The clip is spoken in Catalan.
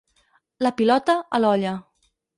La pilota, a l'olla.